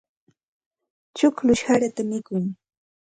Chukllush sarata mikun.